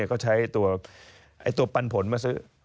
ก็ใช้ตัวปันผลมาซื้อ